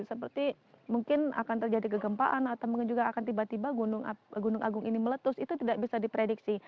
seperti mungkin akan terjadi kegempaan atau mungkin juga akan tiba tiba gunung agung ini meletus itu tidak bisa diprediksi